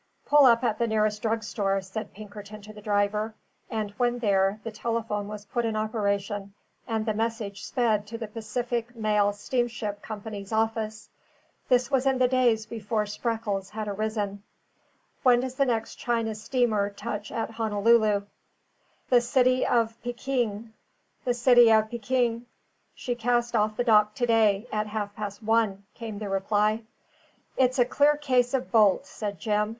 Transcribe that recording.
"Pull up at the nearest drug store," said Pinkerton to the driver; and when there, the telephone was put in operation, and the message sped to the Pacific Mail Steamship Company's office this was in the days before Spreckels had arisen "When does the next China steamer touch at Honolulu?" "The City of Pekin; she cast off the dock to day, at half past one," came the reply. "It's a clear case of bolt," said Jim.